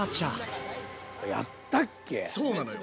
そうなのよ。